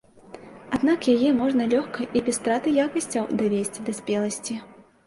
Аднак яе можна лёгка і без страты якасцяў давесці да спеласці.